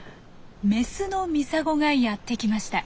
メスのミサゴがやって来ました。